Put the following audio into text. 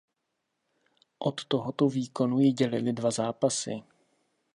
Od tohoto výkonu ji dělily dva zápasy.